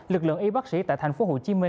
lực lượng y bác sĩ tại tp hcm